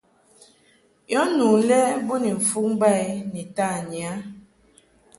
Yɔ nu lɛ bo ni mfuŋ ba i ni tanyi a.